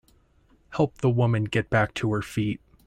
Help the woman get back to her feet.